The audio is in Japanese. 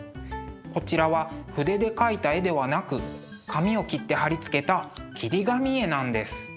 こちらは筆で描いた絵ではなく紙を切って貼り付けた切り紙絵なんです。